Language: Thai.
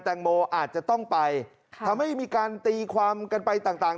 แตงโมอาจจะต้องไปทำให้มีการตีความกันไปต่างต่าง